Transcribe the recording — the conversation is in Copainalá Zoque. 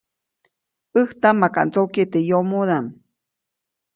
‒ʼÄjtaʼm makaʼt ndsokyeʼ teʼ yomodaʼm-.